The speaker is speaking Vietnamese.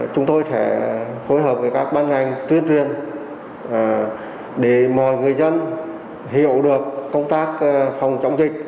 chúng tôi sẽ phối hợp với các ban ngành tuyên truyền để mọi người dân hiểu được công tác phòng chống dịch